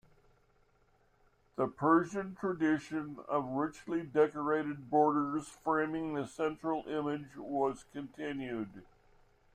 The Persian tradition of richly decorated borders framing the central image was continued.